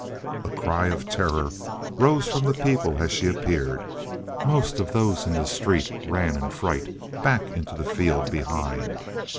A cry of terror rose from the people as she appeared. Most of those in the street ran in fright back into the field behind.